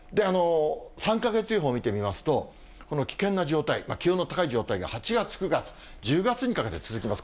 ３か月予報を見てみますと、この危険な状態、気温の高い状態が８月、９月、１０月にかけて続きます。